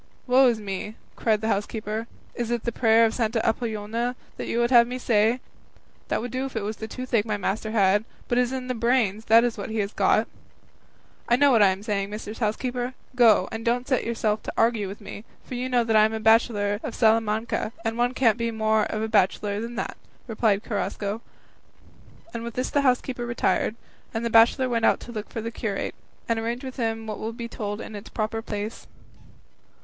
"Woe is me," cried the housekeeper, "is it the prayer of Santa Apollonia you would have me say? That would do if it was the toothache my master had; but it is in the brains, what he has got." "I know what I am saying, mistress housekeeper; go, and don't set yourself to argue with me, for you know I am a bachelor of Salamanca, and one can't be more of a bachelor than that," replied Carrasco; and with this the housekeeper retired, and the bachelor went to look for the curate, and arrange with him what will be told in its proper place.